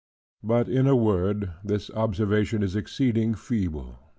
But in a word, this observation is exceeding feeble.